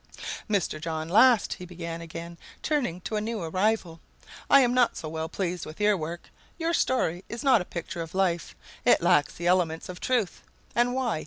"Mr. John Last," he began again, turning to a new arrival, "I am not so well pleased with your work. Your story is not a picture of life; it lacks the elements of truth. And why?